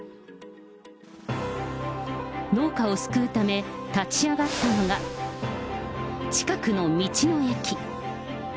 農家を救うため、立ち上がったのが、近くの道の駅。